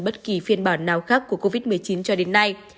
bất kỳ phiên bản nào khác của covid một mươi chín cho đến nay